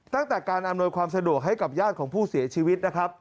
ตั้งแต่การอำนวยความสะดวกให้กับญาติของผู้เสียชีวิตนะครับ